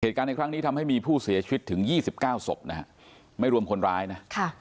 เหตุการณ์ในครั้งนี้ทำให้มีผู้เสียชีวิตถึง๒๙ศพไม่รวมคนร้ายนะ